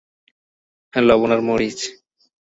লবণ আর মরিচ।